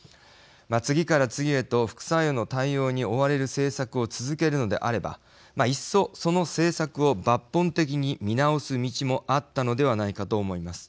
次から次へと副作用の対応に追われる政策を続けるのであればいっそその政策を抜本的に見直す道もあったのではないかと思います。